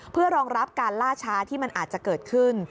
เพื่อรองรับการล่าช้าที่มันอาจจะเกิดขึ้น